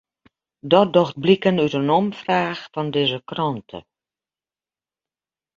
Dat docht bliken út in omfraach fan dizze krante.